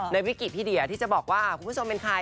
วิกฤตพี่เดียที่จะบอกว่าคุณผู้ชมเป็นใคร